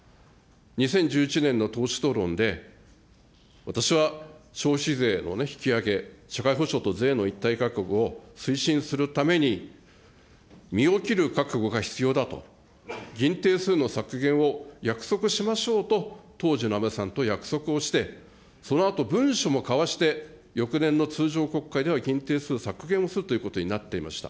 ２０１１年の党首討論で、私は消費税の引き上げ、社会保障と税の一体改革を推進するために、身を切る覚悟が必要だと、議員定数の削減を約束しましょうと、当時の安倍さんと約束をして、そのあと文書も交わして、翌年の通常国会では議員定数を削減をするということになっていました。